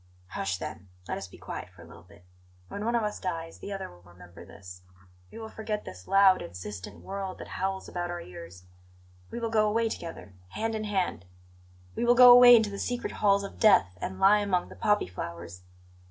"Hush, then! Let us be quiet for a little bit. When one of us dies, the other will remember this. We will forget this loud, insistent world that howls about our ears; we will go away together, hand in hand; we will go away into the secret halls of death, and lie among the poppy flowers.